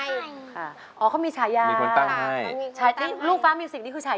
แล้วน้องใบบัวร้องได้หรือว่าร้องผิดครับ